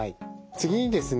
次にですね